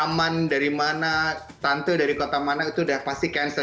aman dari mana tante dari kota mana itu udah pasti cancel